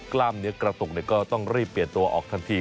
กล้ามเนื้อกระตุกก็ต้องรีบเปลี่ยนตัวออกทันที